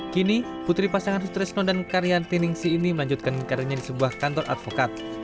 kini putri pasangan sustresno dan karya tiningsih ini melanjutkan karyanya di sebuah kantor advokat